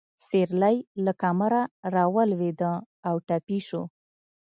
سېرلی له کمره راولوېده او ټپي شو.